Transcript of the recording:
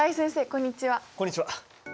こんにちは。